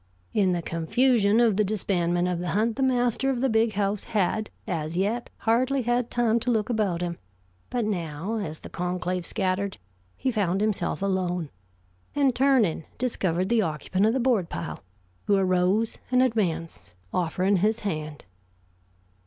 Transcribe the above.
In the confusion of the disbandment of the hunt, the master of the Big House had as yet hardly had time to look about him, but now, as the conclave scattered he found himself alone, and turning discovered the occupant of the board pile, who arose and advanced, offering his hand.